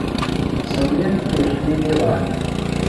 Sami ur iḥmil iḍan